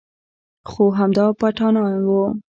خو همدا پټانان و.